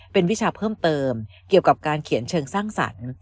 เป็นวิชาเพิ่มเติมเกี่ยวกับการเขียนเชิงสร้างสรรค์